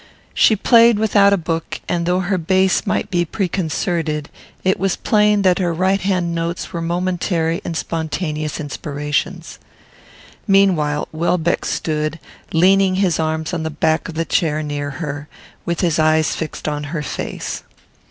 She played without a book, and, though her bass might be preconcerted, it was plain that her right hand notes were momentary and spontaneous inspirations. Meanwhile Welbeck stood, leaning his arms on the back of a chair near her, with his eyes fixed on her face.